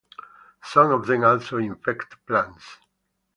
Some of them also infect plants.